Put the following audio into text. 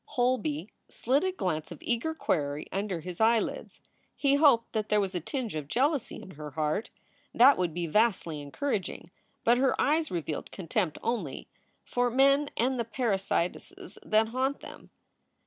Holby slid a glance of eager query under his eyelids. He hoped that there was a tinge of jealousy in her heart. That would be vastly encouraging. But her eyes revealed contempt only, for men and the parasitesses that haunt them.